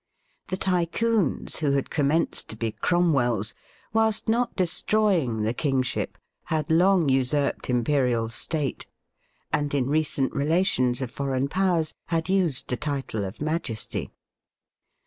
The Tycoons, who had commenced to be Cromwells, whilst not destroying the king ship, had long usurped imperial state, and, in recent relations of foreign Powers, had used the title of majesty.